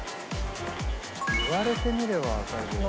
言われてみればわかるけど。